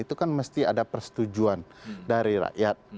itu kan mesti ada persetujuan dari rakyat